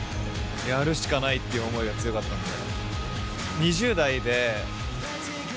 やるしかないっていう思いが強かったんで。